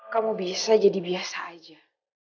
kamu biasa jadi biasa aja